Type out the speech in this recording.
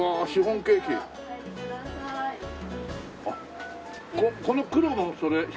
あっこの黒のそれ。